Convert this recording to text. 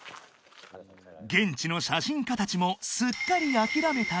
［現地の写真家たちもすっかり諦めた様子］